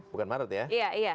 bukan maret ya